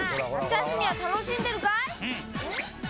夏休みは楽しんでるかい？」